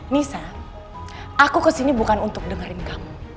nisa aku ke sini bukan untuk dengerin kamu